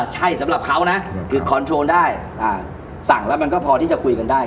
ใช่สำหรับเขานะคือคอนโทรลได้สั่งแล้วมันก็พอที่จะคุยกันได้